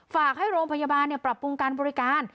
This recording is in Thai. ฝากให้โรงพยาบาลปรับปรุงการบริการ